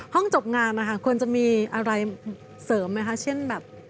ห้องจบงานนะคะควรจะมีอะไรเสริมไหมคะเช่นแบบ